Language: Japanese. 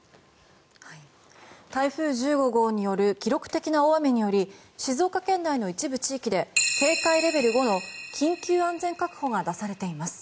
台風１５号による記録的な大雨により静岡県内の一部地域で警戒レベル５の緊急安全確保が出されています。